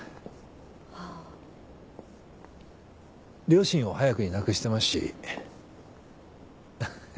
両親を早くに亡くしてますし家内もね。